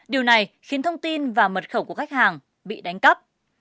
điều này khiến thông tin và mật khẩu của khách hàng bị đánh cắp